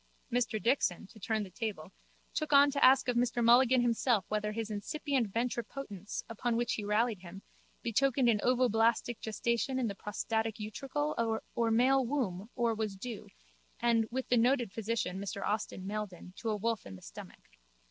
Mr Dixon, to turn the table, took on to ask of Mr Mulligan himself whether his incipient ventripotence, upon which he rallied him, betokened an ovoblastic gestation in the prostatic utricle or male womb or was due, as with the noted physician, Mr Austin Meldon, to a wolf in the stomach.